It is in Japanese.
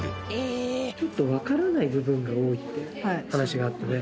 ちょっとわからない部分が多いって話があってね。